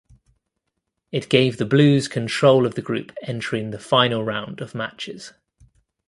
It gave the Blues control of the group entering the final round of matches.